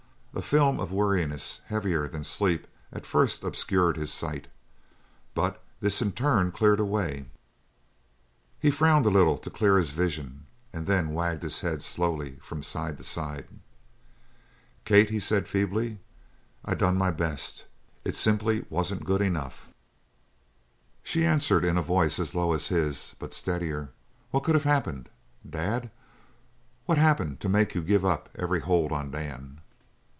A film of weariness heavier than sleep at first obscured his sight, but this in turn cleared away; he frowned a little to clear his vision, and then wagged his head slowly from side to side. "Kate," he said feebly, "I done my best. It simply wasn't good enough." She answered in a voice as low as his, but steadier: "What could have happened? Dad, what happened to make you give up every hold on Dan?